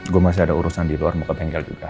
gue masih ada urusan di luar muka bengkel juga